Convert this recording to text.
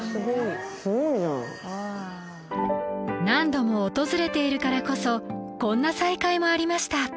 何度も訪れているからこそこんな再会もありました